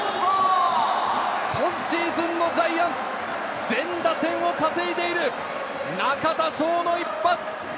今シーズンのジャイアンツ、全打点を稼いでいる中田翔の一発！